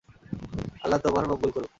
আল্লাহ্ তোমার মঙ্গল করুক।